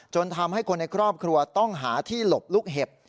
ทำให้คนในครอบครัวต้องหาที่หลบลูกเห็บ